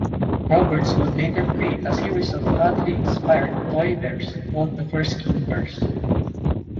Roberts would later create a series of country-inspired toy bears called the Furskin Bears.